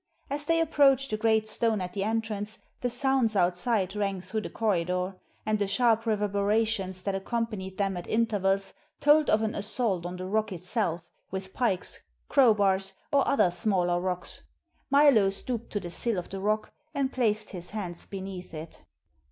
As they approached the great stone at the entrance, the sounds outside rang through the corridor, and the sharp reverberations that accompanied them at intervals told of an assault on the rock itself with pikes, crowbars, or other smaller rocks. Milo stooped to the sill of the rock, and placed his hands beneath it.